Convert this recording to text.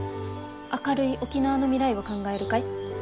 「明るい沖縄の未来を考える会」。